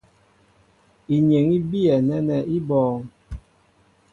Inyeŋ í biyɛ nɛ́nɛ́ í bɔ̄ɔ̄ŋ.